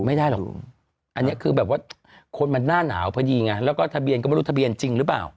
อันเนี่ยคือพวกมันหน้าหนาวพอดีไงแล้วก็ทะเบียนก็ไม่รู้ทะเบียนจริงหรือเปล่า